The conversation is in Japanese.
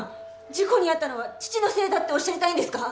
事故に遭ったのは父のせいだっておっしゃりたいんですか！？